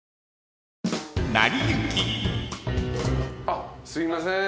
あっすいません。